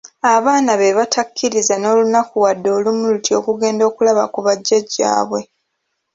Abaana be tabakkiriza n'olunaku wadde olumu luti okugenda okulaba ku bajjajjaabwe.